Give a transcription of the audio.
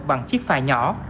bằng chiếc phà nhỏ